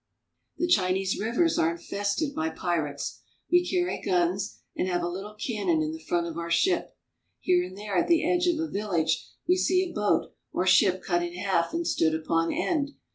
The Chinese rivers are infested by pirates. We carry guns, and have a little cannon in the front of our ship. Here and there at the edge of a village we see a boat or ship cut in half and stood upon end.